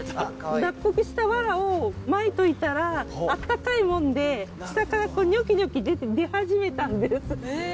脱穀したわらをまいといたら、あったかいもんで、下からにょきにょき出始めたんです。